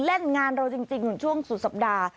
เล่นงานเราจริงอยู่ช่วงสุดสัปดาห์